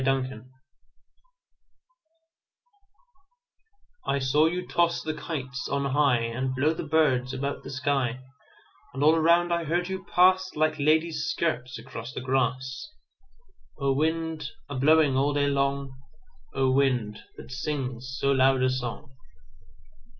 The Wind I SAW you toss the kites on highAnd blow the birds about the sky; And all around I heard you pass, Like ladies' skirts across the grass—O wind, a blowing all day long,O wind, that sings so loud a song!